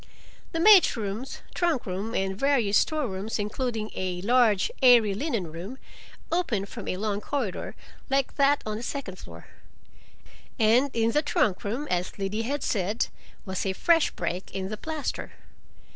The maids' rooms, trunk room, and various store rooms, including a large airy linen room, opened from a long corridor, like that on the second floor. And in the trunk room, as Liddy had said, was a fresh break in the plaster.